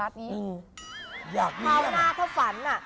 เผ่าหน้าถ้าฝันอ่ะ